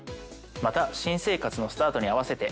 また新生活のスタートに合わせて。